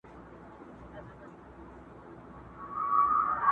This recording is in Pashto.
په هره څانګه هر پاڼه کي ویشتلی چنار.!